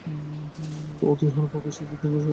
অতি অল্প বয়সে চিত্রাঙ্কন ও সাহিত্য চর্চা শুরু করেন।